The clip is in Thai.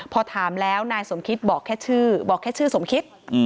พอถามแล้วนายสมคิตบอกแค่ชื่อบอกแค่ชื่อสมคิด